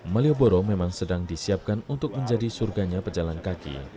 malioboro memang sedang disiapkan untuk menjadi surganya pejalan kaki